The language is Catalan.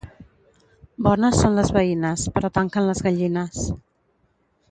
Bones són les veïnes, però tanquen les gallines.